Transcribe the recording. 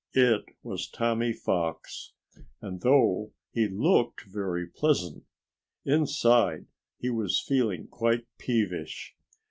It was Tommy Fox. And though he looked very pleasant, inside he was feeling quite peevish.